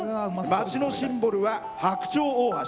町のシンボルは白鳥大橋。